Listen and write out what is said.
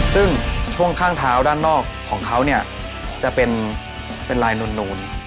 ซึ่งช่วงข้างเท้าด้านนอกของเขาจะเป็นไลน์หนูน